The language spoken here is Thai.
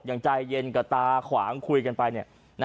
ยังใจเย็นกับตาขวางคุยกันไป